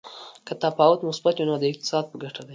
که تفاوت مثبت وي نو د اقتصاد په ګټه دی.